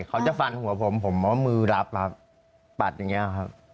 เขาจะฟันหัวผมผมมือมัดปัดอย่างเงี้ย